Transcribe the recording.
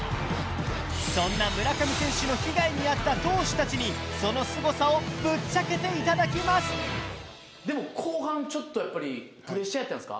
そんな村上選手の被害に遭った投手たちにそのすごさをぶっちゃけて頂きますでも後半ちょっとやっぱりプレッシャーやったんすか？